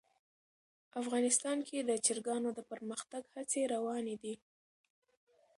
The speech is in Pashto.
افغانستان کې د چرګانو د پرمختګ هڅې روانې دي.